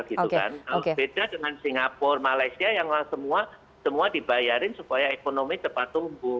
kalau beda dengan singapura malaysia yang semua dibayarin supaya ekonomi cepat tumbuh